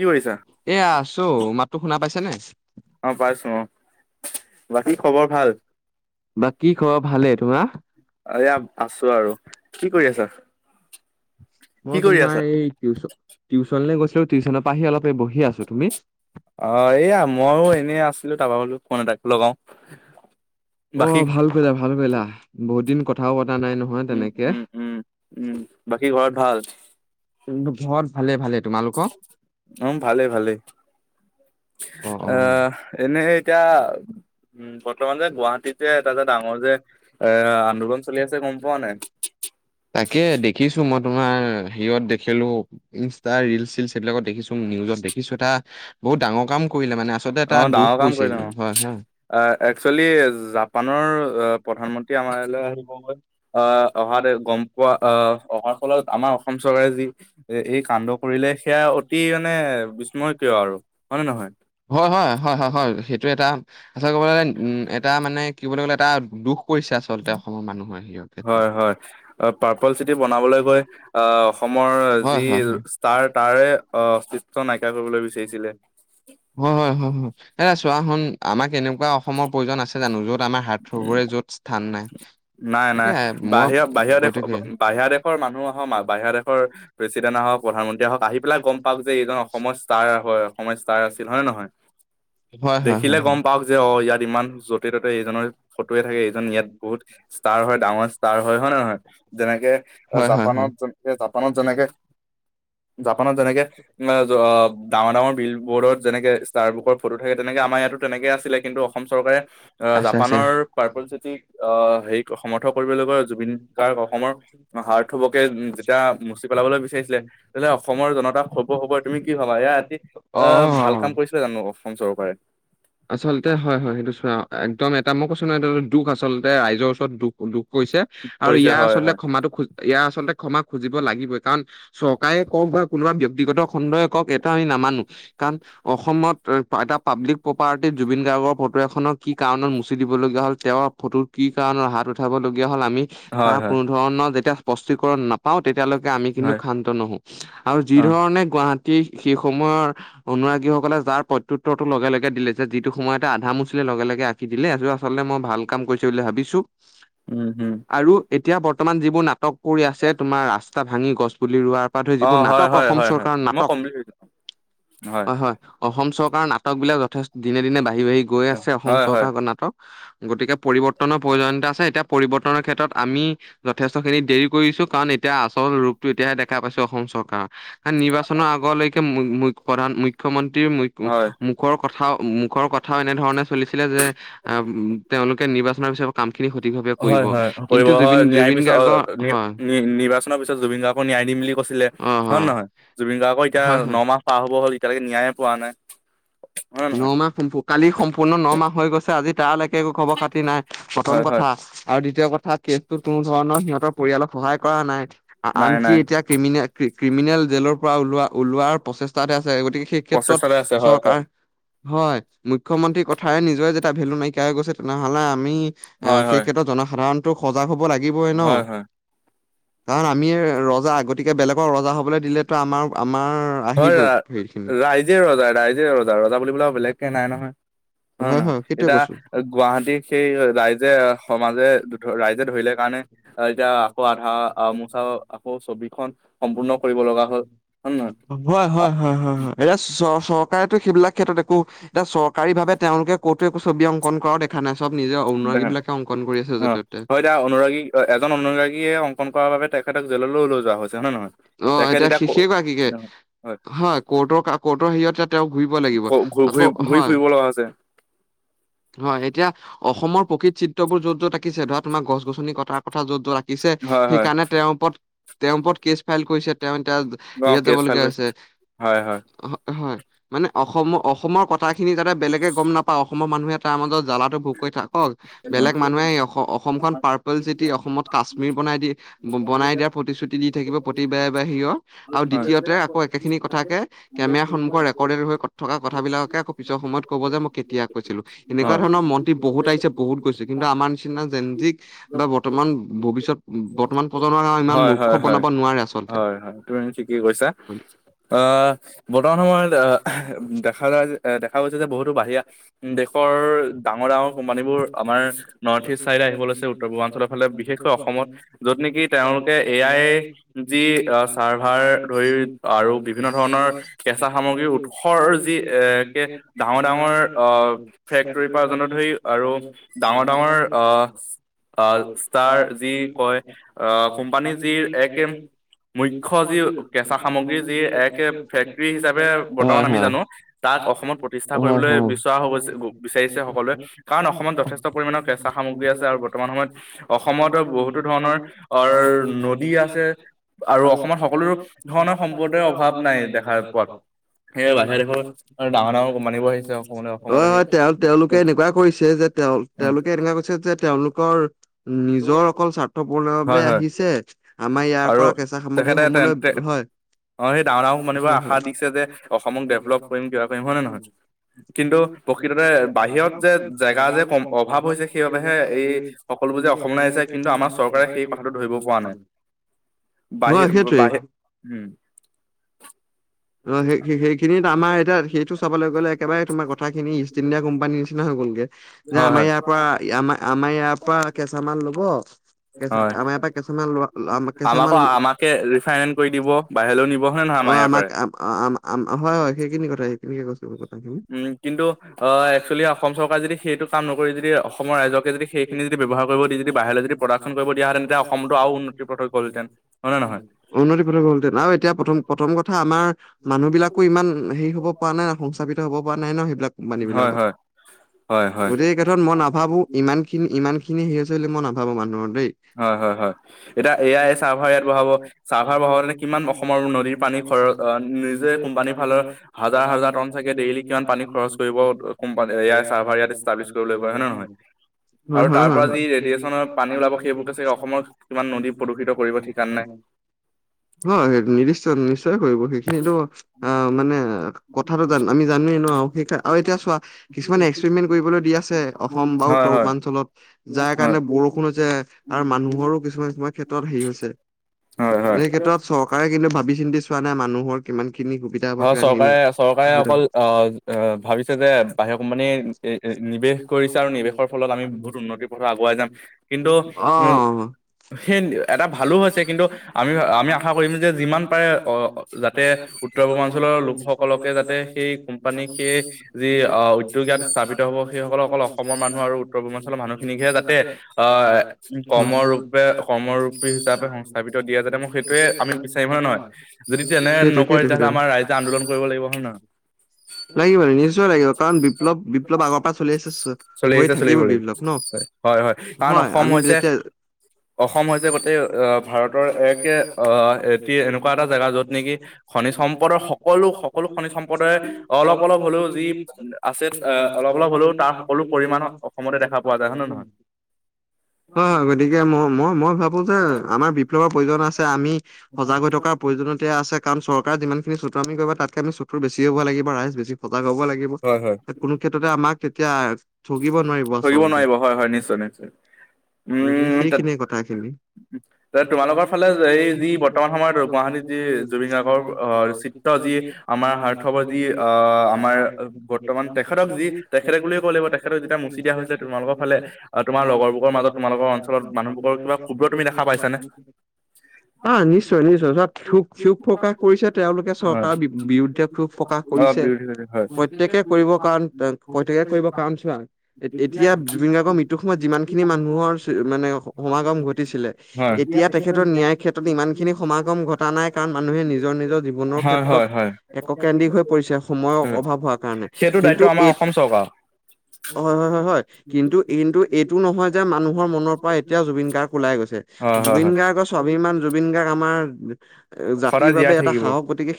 কি কৰিছা? এয়া আছো মাতটো শুনা পাইছেনে? অ' পাইছো অ' বাকী খবৰ ভাল! বাকী খবৰ ভালে তোমাৰ? এয়া আছোঁ আৰু। কি কৰি আছা? কি মই কৰি তোমাৰ, আছা? এই টউচন টিউচনলৈ গৈছিলোঁ টিউচন পৰা আহি অলপ এই বহি আছো তুমি? অ' এয়া মইয়ো এনেই আছোঁ। তাৰপা বোলো ফোন এটাই লগাও। বাকী অ' ভাল কৰিলা! ভাল কৰিলা! বহুত দিন কথাও পতা নাই নহয়। উম, তেনেকে। উম, উম, উম, বাকী ঘৰত ভাল! ঘৰত ভালে ভালে। তোমালোকৰ? অ'! নে এতিয়া উম, বৰ্তমান যে গুৱাহাটীতে এটা যে ডাঙৰ যে, আন্দোলন চলি আছে গম পোৱা নাই? তাকে দেখিছো মই তোমাৰ হেৰিত দেখিলোঁ ইনষ্টা ৰিলচ চিলচ এইবিলাকত দেখিছোঁ, নিউজ দেখিছোঁ। এটা বহুত ডাঙৰ কাম কৰিলে মানে, আচলতে এটা অ' দুখ ডাঙৰ পৰিছে এইটো। হয়! হয়! কালি জাপানৰ আ' প্ৰধানমন্ত্ৰী আমাৰ ইয়ালৈ আহিবকৈ। অহা গম পোৱা অহাৰ ফলত আমাৰ অসম চৰকাৰে যি এই কাণ্ড কৰিলে। সেয়া, অতি মানে বিস্ময়কিয় আৰু হয়, নে নহয়! হয় হয় হয় হয় হয় সেইটো প্ৰটা [unintelligible] আ ক'ব গ'লে উম ম এ দুখ আচল অসমৰ মানুহে স ক্ষেত্ৰ হয় হয় পাৰ্পল চিটি বনাবলৈ গৈ আহ অসমৰ যি ষ্টাৰ তাৰে আহ, অস্তিত্ব নাইকিয়া কৰিবলৈ বিচাৰিছিলে। চ আ বা অসমৰ আছে জানো আমাৰ উম হাতবোৰে যত স্থান নাই নাই নাই তেতিয়া মই বাহিৰা বাহিৰা দেশ গতিকে বাহিৰা দেশৰ বাংলাদেশৰ নাম মানুহ আহক মা- বাহিৰা দেশৰ প্ৰেচিডেণ্ট বাংলাদেশৰম আহক গম প্ৰধানমন্ত্ৰী আহক আহি পেলাই গম পাওক যে এইজন অসমৰ ষ্টাৰ হয় অসমৰ পা ষ্টাৰ আছিল ন হয় নে নহয়? হয় হয় দেখিলে ইমান য'তে ত'তে নৰ ফটোয়ে থাকে এইজন ইয়াত বহুত ষ্টাৰ হয় ডাঙৰ ষ্টাৰ হয় হয় ন নহয় যেনেকে হয়, হয়, হয়, হয়। জাপানত জাপানত যেনেকে জাপানত যেনেকে ডাঙৰ ডাঙৰ বিল বৰ্ডত যেনেকে ষ্টাৰ বুকৰ ফটো থাকে তেনেকে আমাৰ ইয়াতো তেনেকে আছিলে কিন্তু অসম আছে, চৰকাৰে আছে। জপানৰ কৰে চিটিক আহ হেৰি সমৰ্থ কৰিব লগগ জুবিন গাৰ্গ অসমৰ হাৰ্থবকে যেতিয়া মচি পেলাবলৈ বিচাৰিছিলে তেতিলে অসমৰ জনতা হ'ব হব তুমি কি ভাবা এয়া এটি আহ ভাল কাম অ', কৰিছিলা জানো অসম চৰকাৰে [unintelligible] আচলতে হয়, হয়, একদম এটা মই কৈছো নয় দুখ আচলতে ৰাইজৰ ওচৰত দুখ লোখ কৰিছে আৰু কৰিছে ইয়াৰ হয় আচলতে হয় ক্ষমাটো খজ ইয়াৰ আচলতে ক্ষমা খুজি লাগিবই কাৰণ চৰকাৰে কওক বা কোনোবা ব্যক্তিগত খণ্ডই এটা আমি নামানো কাৰণ অসমত এটা পাব্লিক প্ৰপাৰ্টিত জুবিন গাৰ্গৰ [unintelligible] ফটো এখননৰ কি কাৰণত মুচি দিব লগগীয়া হ'ল তেওঁৰ ফটো কি কাৰণত হাত উঠাব লগগীয়া হ'ল [unintelligible] আমি হয় তাৰ হয়। কোনো ধৰণৰ যেতিয়া স্পষ্টিকণ নাপাওঁ তেতিয়ালৈকে আমি কিন্তু হয় ক্ষান্ত নহো আৰু যি অ ধৰণে গুৱাহাটীৰ সেই সময়ৰ অনুৰাগীসকলে যাৰ প্ৰত্যুত্তৰটো লগে লগে দিলে যে যিটো সময়ত টা আধা মচিলি লগে লগে আঁকি দিলে আ আচলতে মই ভাল কাম কৰিছো বুলি ভাবিছো উম হম আৰু এতিয়া বৰ্তমান যিবোৰ নাটক কৰি আছে তোমাৰ ৰাস্তা ভাঙি গছ পুলি ৰোৱাৰ ৰি অ যিবোৰ হয় নাটক হয় অসম হয় হয় চৰকাৰৰ মই নাটক কমপ্লিট হয়। হয় হয় অসম চৰকাৰৰ নাটক বিলাক যথেষ্ট দিনে দিনে ব আহি বাঢ়ি গৈ আছে অসম হয় চৰকাৰ কৰ্ণাটক গতিকে পৰিৱৰ্তনৰ প্ৰয়োজনীয়তা আছে এতিয়া পৰিৱৰ্তনৰ ক্ষেত্ৰত আমি যথেষ্টখিনি দেৰি কৰিছো কাৰণ এতিয়া আচল ৰোগতটো এতিয়াহে দেখা পাইছ অসম চৰকাৰ কাৰণ নিৰ্বাচনৰ আগলৈকে প্ৰধান মুখ্যমন্ত্ৰীৰ হয় মুখৰ কথা মুখৰ কথা কথাও এনেধৰণে চলিছিলে যেম তেওঁলোকে নিৰ্বাচনৰ পিছ কাম খিনি হয় হয় কৰিব হয় ন্যায় পিছত গাৰ্গৰ নি হয় নি নিৰ্বাচনৰ পিছত জুবিন গাৰ্গো ন্যায় দিম বুলি কৈছিলে হয় নে নহয় জুবিন গাৰ্গৰ এতিয়া হয় হয় ন মাহ পাৰ হ'ব হ' এতিয়ালৈকে ন্যায়ে পোৱা নাই হয় নে ন নহয়? মাহ সম্প কালি সম্পূৰ্ণ নমাহ হৈ গৈছে আজি তালৈকে একো খবৰ খাতি নাই প্ৰথম হয় হয় কথা আৰু দ্বিতীয় কথা কেছটো কোনো ধৰণৰ সিহঁতৰ পৰিয়ালক সহায় কৰা নাই নাই আনকি নাই। এতিয়া ক্ৰিমি ক্ৰিমিনেল জেলৰ পৰা ওলোৱাৰ প্ৰচেষ্টা তাতে আছ যায়, গতিকে সেই ক্ষেত্ৰত প্ৰচেষ্টাতে আছে হয়। চৰকাৰ হয়। মুখ্যমন্ত্ৰীৰ কথাৰে নিজৰে যেতিয়া ভেলু নাইকিয়াই হৈ গৈছে, তেনেহ'লে আমি এ হয় সেই হয় ক্ষেত্ৰত জনসাধাৰণটোক সজাগ হ'ব লাগিবই ন। হয় হয়। কাৰণ আমি ৰজা গতিকে বেলেগৰ ৰজা হবলৈ দিলেতো আমাৰ আমাৰ হয় আহিবই হেৰিখিনি ৰাইজে ৰজা ৰাইজে ৰজা ৰজা বুলিবলৈ আৰু বেলেগকে নাই নহয়। হয় নহয় এতিয়া গুৱাহাটী সেই ৰাইজে সমাজে ৰাইজে ধৰিলে কাৰণে এতিয়া আকৌ আধা। হয় মোচা আকৌ ছবিখন সম্পূৰ্ণ কৰিব লগা হ'ল হয় নে নহয়? হয় হয় হয় হয় এইয়া চ- চৰকাৰেতটো সেইবিলাক ক্ষেত্ৰত এক কো এতিয়া চৰকাৰী ভাবে তেওঁলোকে ক'তো একো ছবি অংকন কৰাও দেখা নাই চব নিজে অনুৰাগী দেখা নাই বিলাকে অংকন কৰি আছে অ যতে ততে। তই হয় এতিয়া অনুৰাগী এজন অনুৰাগীয়ে অংকন কৰাৰ বাবে তেখেতক জেললৈও লৈ যোৱা হৈছে হয় নে নহয়? অ তেখেত এতিয়া ক শেষেই গৰাকীকে হয় কোৰ্টৰ কোৰ্টৰ হেৰিয়ত এ তেওঁ ঘূৰিব লাগিব। আকৌ ঘূৰি ঘূৰি হয়, ফুৰিব লগা হৈছে হয়। এতিয়া অসমৰ প্ৰকৃত চিত্ৰবোৰ যত যত আকিছে ধৰা তোমাৰ গছ গছনি কটাৰ কথা য'ত যত আঁকিছে হয় হয় সেইকাৰণে তেওঁৰ ওপৰত- তেওঁৰ ওপৰত কেচ ফাইল কৰিছে তেওঁ এতিয়া অ হেৰিয়ত যাব কেছ ফাইল লগীয়া কৰিছে হৈছে হয় হয় হয় মানে অসম অসম- অসমৰ কথাখিনি যাতে বেলেগে গম নাপাওঁ অসমৰ মানুহে তাৰ মাজত জ্বালাটো ভোগ কৰি থাকক বেলেগ মানুহে অসম অসমখন পাৰ্পল চিটি অসমত কাশ্মীৰ বনাই দি বনাই দিয়া কিছু তিৰি থাকিব প্ৰতিবাই বাহিৰ আৰু দ্বিতীয়তে আকৌ একেখিনি কথাকে কেমেৰা সন্মুখৰ ৰেকৰ্ডেড হৈ থকা কথা- কথাবিলাকে আকৌ পিছৰ সময়ত ক'ব যে মই কেতিয়া- কৈছিলো এনেকুৱা ধৰণৰ মন্ত্ৰী বহুতিছে বহুত গৈছিলো। কিন্তু আমাৰ নিচিনা যেন জিক বা বৰ্তমান ভৱিষ্যত বৰ্তমান [unintelligible] হয় হয় হয় বনাব নোৱাৰে আচলতে হয় হয় তুমি ঠিকেই কৈছা বৰ্তমান সময়ত দেখা যাই যে- গৈছে যে বহুতো বাহিয়া উম দেশৰ ডাঙৰ ডাঙৰ কোম্পানী বোৰ আমাৰ নৰ্থ ইষ্ট চাইড আহিব লৈছে উত্তৰ পূৰ্বাঞ্চলৰ ফালে বিশেষকৈ অসমত য'ত নেকি তেওঁলোকে এ আই যি চাৰ্ভাৰ ধৰি আৰু বিভিন্ন ধৰণৰ কেঁচা সামগ্ৰ উৎসৰ যি এ কে ডাঙৰ ডাঙৰ আহ ফেক্টৰী পা উৰ্জনৰ ধৰি আৰু ডাঙৰ ডাঙৰ আহ আহ ষ্টাৰ যি কয় কোম্পানী যি এক এম মুখ্য কেঁচা সামগ্ৰী যি এক হয় হয় ফেক্টৰী হিচাপে হয় বৰ্তমান আমি জানো হয় তাক অসমত প্ৰতি চা কৰিবলৈ হয় হয় বিচৰা হৈ গৈ বিচাৰিছে সকলোৱে কাৰণ অসমত যথেষ্ট পৰিমমানৰ কেঁচা সামগ্ৰী আছে আৰু বৰ্তমান সময়ত অসমতো বহুতো ধৰণৰ নদী আছে আৰু অসমত সকলো ধৰণৰ সম্পদৰ অভাৱ নাই দেখা পোৱাত। সেয়া বাহিৰা দেশৰ ডাঙৰ ডাঙৰ কোম্প- হয়-হয় তেওঁ তেওঁলোকে এনেকুৱা কৰিছে যে, তেওঁ তেওঁলোকে এনেকুৱা কৈছে যে তেওঁলোকৰ নিজৰ অকল স্বাৰ্থ পৰ্ণৰ হয় বাবে হয় আহিছে। আমাৰ ইয়াৰ আৰু পৰা কেঁচা তেখেতে সামগ্ৰীসমূহলৈ হয়। অ সেই ডাঙৰ ডাঙৰ কোম্পানীবোৰে আশা দিছে যে অসমক ডেভেলপ কৰিম কিবা কৰিম হয় নে নহয় কিন্তু প্ৰকৃততে বাহিৰত যে জেগা যে কম অভাৱ হৈছে সেইবাবেহে এই সকলোবোৰ যে অস সমাইছে কিন্তু আমাৰ চৰকাৰে সেই কথাটো ধৰিব পৰা নাই বহিল সেইটোৱেই বাহিৰ অ সেই সেইখিনিত আমাৰ এতিয়া সেইটো চাবলৈ গ'লে একেবাৰে তোমাৰ কথাখিনি ইষ্ট ইণ্ডিয়া কোম্পানীৰ নিচিনা হৈ গ'লগে, যে হয় আমাৰ হয়। ইয়াৰ পৰা আমাৰ ইয়াৰ পৰা কেচামান লব কে হয় আমাৰ পৰা কেঁচামান লোৱা কেঁচামান আমাকো আমাকে ৰিফাইনেন্স কৰি দিব বাহিৰলৈও নিব হয় নে নহয় অ আমাৰ ইয়াৰ আমাক পৰাই। হয়-হয় সেইখিনি কথা এনেকে কৈছোঁ গ্ৰুপত? উম কিন্তু অ একচুৱেলি অসম চৰকাৰে যদি সেইটো কাম নকৰি যদি অসমৰ ৰাইজকে যদি সেইখিনি যদি ব্যৱহাৰ কৰিব দি যদি বাহিৰলৈ যদি প্ৰডাকশন কৰিব দিয়া হেতেন তেতিয়া অসমতো আৰু উন্নতিৰ পথত গ'লহেতেন হয় নে নহয়? উন্নতি ফ হলতেন আৰু এতিয়া প্ৰথ প্ৰথম কথা আমাৰ মানুহ বিলাকো ইমান হেৰি হব পৰা নাই না সংস্থাপিত হ'ব পৰা নাই ন সেইটো কোম্পানী হয় বিলাকত হয় হয় গতিকে এই কেথত মই হয়। নাভাবো ইমান খিনি ইমান খিনি হে হৈছে মই নাভাবোঁ নাভাবোঁ ইমানো হয়-হয়-হয় এতিয়া এয়া এই চাৰ্ভাৰ ইয়াত বহাব চাৰ্ভাৰ বহাবে কিমান অসমৰ নদীৰ পানীৰ খৰচ নিজে কোম্পানীৰ ফালৰ হাজাৰ-হাজাৰ টন চগে [inaudible] হয় এয়া চাৰ্ভাৰ ইয়াত ষ্টাব্লিছ কৰিবলৈ গৈ হয় নে নহয় আৰু হয় তাৰ হয় পৰা যি হয় ৰেডিয়েচনৰ পানী ওলাব সেইবোৰকে চাগে অসমৰ কিমান নদী প্ৰদূষিত কৰিব ঠিকান নাই সেই নিৰ্দিষ্ট নিশ্চয় কৰিব সেইখিনো অ মানে কথাটো আমি জানোৱে নো সেই আৰু এতিয়া চোৱা কিছুমানে এক্সপেৰিমেন্ট কৰিবলৈ দি আছে অসম বা হয় উত্তৰ হয় পূৰ্বাঞ্চলত যাৰ হয় কাৰণে বৰষুণ হৈছে। আৰু মানুহৰো কিছুমান-কিছুমান ক্ষেত্ৰত হেৰি হৈছে হয় হয় হয় এই ক্ষেত্ৰত চৰকাৰে কিন্তু ভাবি চিন্তি চোৱা নাই মানুহৰ কিমান খিনি সুবিধা হব কিমান খিনি চৰকাৰে চৰকাৰে অসুবিধা হ'ব। অকল আহ ভাবিছে যে বাহিৰৰ কোম্পানীয়ে নিৱেশ কৰিছে আৰু নিৱেশৰ ফলত আমি বহুত উন্নতিৰ পথ আগুৱাই যাম কিন্তু উ অ'। সেই এটা ভালো হৈছে কিন্তু আমি আমি আশা কৰিম যে যিমান পাৰে যাতে উত্তৰ পূৰ্বাঞ্চলৰ লোকসকলকে সেই কোম্পানী সেই যি আহ উদ্যোগ ইয়াত স্থাপিত হব সেই সকল অকল অসমৰ মানুহ আৰু উত্তৰ পূৰ্বাঞ্চলৰ মানুহখিনিকহে যাতে আহ কৰ্মৰূপে কৰ্মৰূপী হিচাপে সংস্থাপিত দিয়া যাতে মই সেইটোয়ে আমি বিচাৰিম হয়ে নহয় যদি তেনে সেইটো নক কৰে সেইটো সেইটো তেতিয়াহ'লে আমাৰ ৰাইজে আন্দোল কৰিব লাগিব। লাগিব নিশ্চয় লাগিব কাৰণ বিপ্লৱ বিপ্লৱ আগৰ পৰা চলি আছে। চ- চলি হৈ আহিছে থাকিব চলিব লাগিব বিপ্লৱ ন' হয় হয় হয় কাৰণ অসম আমি হৈছে যেতিয়া অসম হৈছে গোটেই আহ ভাৰতৰ একে আহ এটি এনেকুৱা এটা জেগা যত নেকি সম্পদৰ সকলো সকলোখনে আছে আহ অলপ অলপ হ'লেও হয়-হয় তাৰ সকলো পৰিমাণ অসমতে দেখা পোৱা যায় হয় নে নহয়? গতিকে মই মই মই ভাবো যে আমাৰ বিপ্লৱৰ প্ৰয়োজন আছে আমি সজাগ হৈ থকাৰ প্ৰয়োজনত আছে। কাৰণ চৰকাৰ যিমানখিনি চতুআমি কৰিব তকে আমি বেছি ভাল লাগিব ৰাইজ বেছি ভল ভলাগ হব লাগিব হয় হয়। কোনো ক্ষেত্ৰতে আমাক তেতিয়া ঠগিব নোৱাৰিব ধৰিব আচলতে নোৱাৰিব হয় হয় নিশ্চয় নিশ্চয় গতিকে উম সেইখিনিয়ে কথাখিনি তোমালোকৰ ফালে এই যি বৰ্তমান সময়ত গুৱাহাটী যি জুবিন গাৰ্গৰ চিত্ৰ যি আমাৰ হাৰ্থ যি অ আমাৰ বৰ্তমান তেখেতক যি তেখেতক বুলিয়ে ক' লাগিব তেখ [unintelligible] অ তোমাৰ লগৰবোৰৰ মাজত তোমালোকৰ অঞ্চলত মানুহবোৰৰ কিবা ক্ষুব্ৰ তুমি দেখা পাইছানে? নিশ্চয় নিশ্চয় শোক প্ৰকাশ কৰিছে তেওঁলোকে হয়। চৰকাৰৰ বিৰুদ্ধে ক্ষোভ প্ৰকাশ অ' কৰিছে বিৰোধী হৈছে হয়। প্ৰত্যেকে কৰিবৰ কাৰণে প্ৰত্য়েকে কৰিবৰ কাৰণ চোৱা এতিয়া জুবিন গাৰ্গৰ মৃত্যু সময়ত যিমান খিনি মানুহৰ মানে সমাগম ঘটিছিলে হয়। এতিয়া তেখেতৰ ন্যায়ৰ ক্ষেত্ৰত ইমান খিনি সমাগম ঘটা নাই কাৰণ মানুহে নিজৰ নিজৰ জীৱনৰ হয় ক্ষেত্ৰত হয় হয়। এককেন্দ্ৰিক হৈ পৰিছে সময়ৰ অভাৱ হোৱাৰ কাৰণে সেইটো দায়িত্ব কিন্তু আমাৰ এই অসম চৰকাৰ। হয় হয় হয় হয় কিন্তু কিন্তু এইটো নহয় যে মানুহৰ মনৰ পৰা এতিয়া জুবিন গাৰ্গ ওলাই গৈছে হয় হয় জুবিন হয়। গাৰ্গৰ স্বাভিমান জুবিন গাৰ্গ আমাৰ জাতিৰ সদায় বাবে জীয়াই এটা থাকিব হয়। সাহস গতিকে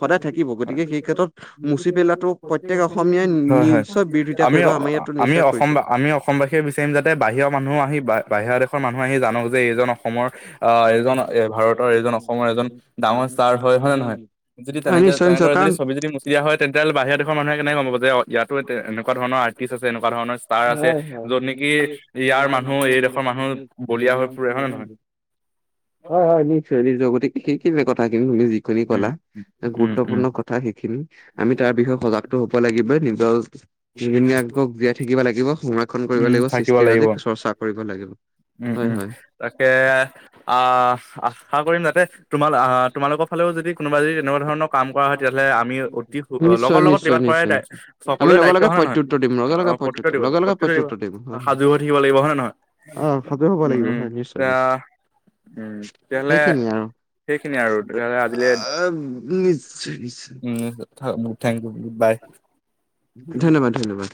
সদায় থাকিব গতিকে সেই ক্ষেত্ৰত মুচিপেলোৱাটো প্ৰত্য়েক অসমীয়াই হয় হয় নিজৰ বিৰোধিত আমি আমি অসম আমি অসমবাসীয়ে বিচাৰিম যাতে বাহিৰৰ মানুহ আহি বা বাহিৰৰা দেশৰ মানুহ নহয়েই জানক যে এইজনক অসমৰ আহ এজন এ ভাৰতৰ এইজন অসমৰ এজন ডাঙৰ ষ্টাৰ হয় হয় নে নহয় যদি হয় তেনেকে নিশ্চয় নিশ্চয় তেনেদৰে যদি কাৰণ ছবি যদি মচি দিয়া হয় তেন্তেহলে বাহিৰত [unintelligible] মানুহে কেনেকে গম পাৱ। যে ইয়াতো এ এনেকুৱা ধৰৰ আৰ্টিষ্ট আছে এনেকুৱা ধৰণৰ ষ্টাৰ আছে য'ত নেকি হয় হয় নিশ্চয় নিশ্চয় গতিকে সেইখিনি [unintelligible] তুমি উম কলা উম উম। গুৰুত্বপূৰ্ণ কথা শিকিলো আমি তাৰ বিষয়ে সজাগতটো হ'ব লাগিবই নিম উম দল তিনিদিনীয়াকক জীয়াই থাকিব লাগিব সংৰক্ষণ কৰিব উম, লাগিব থাকিব সৃষ্টি লাগিব আজি চৰ্চা কৰিব লাগিব উম হয় উম হয় তাকে আহ আশা কৰিম যাতে তোমাল আহ তোমালোকৰ ফালেও যদি কোনোবা যদি তেনেকুৱা ধৰণৰ কাম কৰা হয় তেতিয়াহলে আমি অতি নিশ্চয় লগৰ লগত নিশ্চয় কিবা কৰাই নিশ্চয় আমি সকলোৰে লগে দায়িত্ব লগে হয় নে নহয় প্ৰত্যুত্তৰ দিম লগে অ লগে প্ৰতুত্ব প্ৰত্যুত্তৰ দিব লগে লগে প্ৰতিতৃত্ব দিব প্ৰত্যুত্তৰ দিম সাজু হৈ থাকিব লাগিব হয় নে নহয় সাজো হ'ব উম লাগিব উম হয় নিশ্চয় এতিয়া নিশ্চয়, উম তেতিয়াহ'লে সেইখিনিয়ে আও সেইখিনিয়ে আৰু তেতিয়াহ'লে আজিলে [unintelligible] উম থেংক ইউ বাই ধন্যবাদ ধন্যবাদ